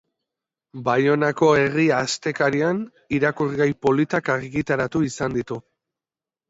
Baionako "Herria" astekarian irakurgai politak argitaratu izan ditu.